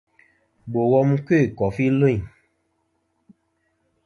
Bò wom nɨ̀n kœ̂ kòfi lvîn.